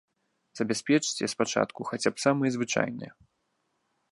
Забяспечце спачатку хаця б самыя звычайныя.